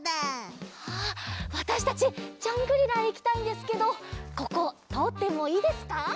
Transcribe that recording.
わたしたちジャングリラへいきたいんですけどこことおってもいいですか？